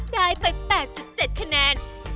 ได้ไป๘๗คะแนน